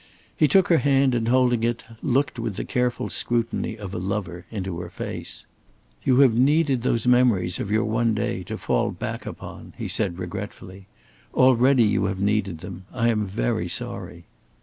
He took her hand and, holding it, looked with the careful scrutiny of a lover into her face. "You have needed those memories of your one day to fall back upon," he said, regretfully. "Already you have needed them. I am very sorry."